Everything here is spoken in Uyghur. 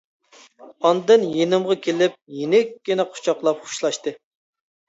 ئاندىن يېنىمغا كېلىپ يېنىككىنە قۇچاقلاپ خوشلاشتى.